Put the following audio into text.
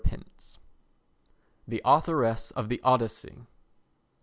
[The Authoress of the Odyssey.